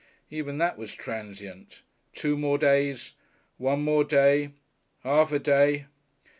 Even that was transient. Two more days one more day half a day.